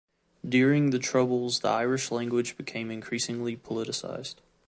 During The Troubles the Irish language became increasingly politicised.